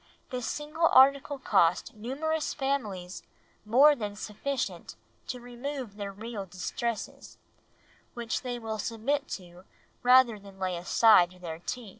this single article cost numerous families more than sufficient to remove their real distresses, which they will submit to rather than lay aside their tea.